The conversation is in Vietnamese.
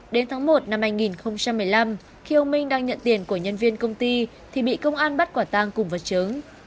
đến tháng một năm hai nghìn một mươi năm khi ông minh đang nhận tiền của nhân viên công ty thì bị công an bắt quả tang cùng vật chứng